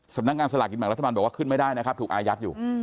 สำนักงานสลากกินแบ่งรัฐบาลบอกว่าขึ้นไม่ได้นะครับถูกอายัดอยู่